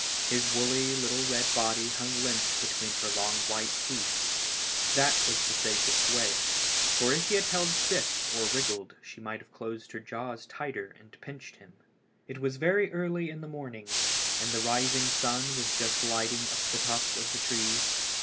His woolly little red body hung limp between her long white teeth. That was the safest way; for if he had held stiff or wriggled she might have closed her jaws tighter and pinched him. It was very early in the morning, and the rising sun was just lighting up the tops of the trees.